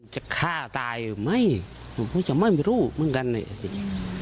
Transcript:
จะฆ่าตายไหมจะไม่มีลูกเหมือนกันเนี่ย